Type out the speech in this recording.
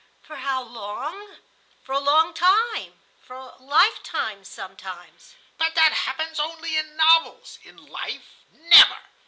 "For how long? For a long time, for a life time sometimes." "But that happens only in novels. In life, never.